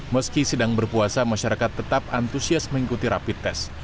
meski sedang berpuasa masyarakat tetap antusias mengikuti rapid test